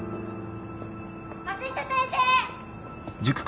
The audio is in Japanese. ・松下先生！